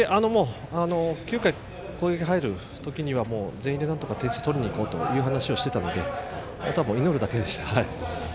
９回、攻撃に入る時には全員でなんとか点数取りにいこうと話していたのであとは、もう祈るだけでした。